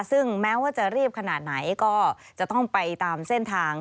ซึ่งแม้ว่าจะรีบขนาดไหนก็จะต้องไปตามเส้นทาง